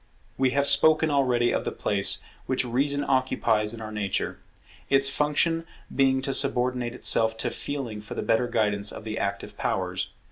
We have spoken already of the place which Reason occupies in our nature; its function being to subordinate itself to Feeling for the better guidance of the Active powers.